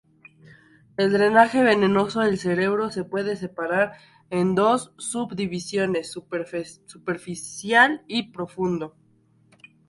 El drenaje venoso del cerebro se puede separar en dos subdivisiones: superficial y profundo.